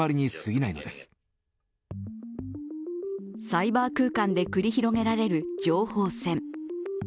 サイバー空間で繰り広げられる情報戦。